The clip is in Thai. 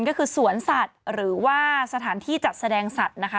ก็คือสวนสัตว์หรือว่าสถานที่จัดแสดงสัตว์นะคะ